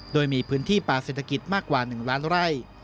โดยมีพื้นที่ป่าเศรษฐกิจมากกว่า๑ล้านไร่